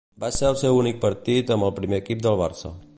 Va ser el seu únic partit amb el primer equip del Barça.